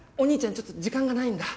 ちょっと時間がないんだ。